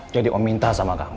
jadi om minta sama kamu